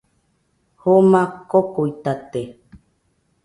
Joma kokuitate